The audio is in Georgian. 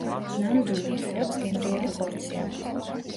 ნამდვილ იხვებს გემრიელი ხორცი აქვთ.